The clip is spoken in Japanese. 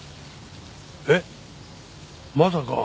えっまさか。